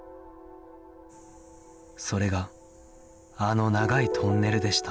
それがあの長いトンネルでした